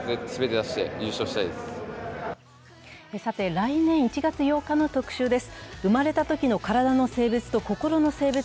来年１月８日の「特集」です。